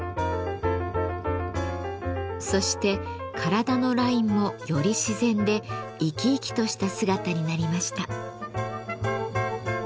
そして体のラインもより自然で生き生きとした姿になりました。